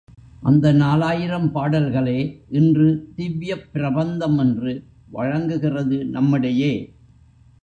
அந்த நாலாயிரம் பாடல்களே இன்று திவ்யப் பிரபந்தம் என்று வழங்குகிறது நம்மிடையே.